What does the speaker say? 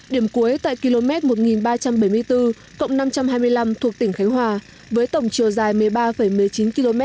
điểm cuối tại km một nghìn ba trăm bảy mươi bốn năm trăm hai mươi năm thuộc tỉnh khánh hòa với tổng chiều dài một mươi ba một mươi chín km